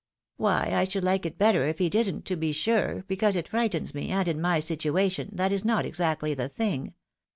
" Why, I should like it better if he didn't, to be sure, because it frightens me, and in my situation, that is not exactly the thing.